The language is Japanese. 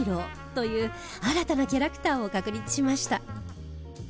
新たなキャラクターを確立しました。